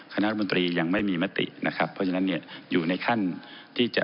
คณะรัฐมนตรียังไม่มีมตินะครับเพราะฉะนั้นเนี่ยอยู่ในขั้นที่จะ